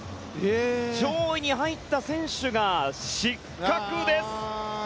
上位に入った選手が失格です。